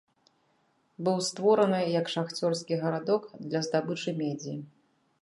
Быў створаны як шахцёрскі гарадок для здабычы медзі.